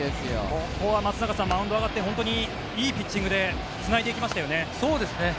ここは松坂さんマウンドに上がっていいピッチングでつないでいきましたよね。